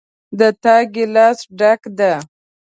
د تا ګلاس ډک ده